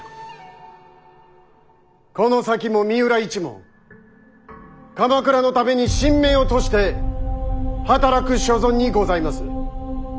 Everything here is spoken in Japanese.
この先も三浦一門鎌倉のために身命を賭して働く所存にございます。